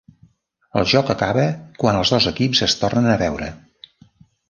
El joc acaba quan els dos equips es tornen a veure.